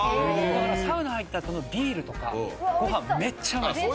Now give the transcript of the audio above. だからサウナ入ったあとのビールとかご飯めっちゃうまいです。